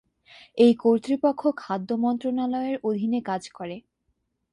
এই কর্তৃপক্ষ খাদ্য মন্ত্রণালয়ের অধীনে কাজ করে।